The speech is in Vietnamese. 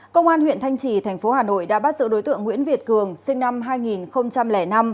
công an huyện thanh trì thành phố hà nội đã bắt giữ đối tượng nguyễn việt cường sinh năm hai nghìn năm